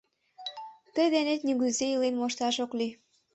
Тый денет нигузе илен мошташ ок лий.